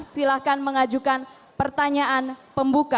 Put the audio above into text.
silahkan mengajukan pertanyaan pembuka